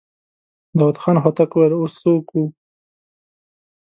داوود خان هوتک وويل: اوس څه وکو؟